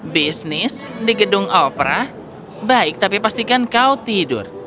bisnis di gedung opera baik tapi pastikan kau tidur